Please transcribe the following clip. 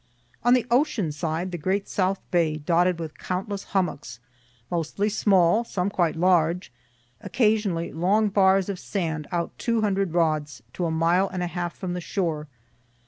On the ocean side the great south bay dotted with countless hummocks, mostly small, some quite large, occasionally long bars of sand out two hundred rods to a mile and a half from the shore.